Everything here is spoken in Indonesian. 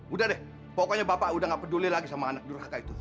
udah deh pokoknya bapak udah gak peduli lagi sama anak durhaka itu